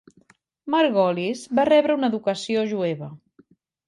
Margolis va rebre una educació jueva.